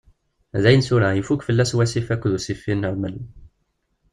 Dayen tura ifuk fell-as wasif akked ussifi n ṛmel.